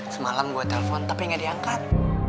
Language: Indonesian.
semalam gue telpon tapi nggak diangkat